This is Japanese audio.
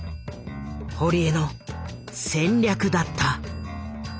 堀江の戦略だった。